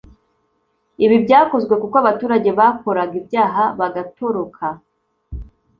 ibi byakozwe kuko abaturage bakoraga ibyaha bagatoroka